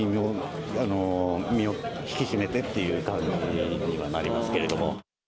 改めて身を引き締めてっていう感じにはなりますけれども。